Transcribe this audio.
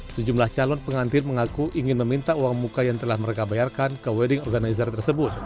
sejumlah calon pengantin mengaku ingin meminta uang muka yang telah mereka bayarkan ke wedding organizer tersebut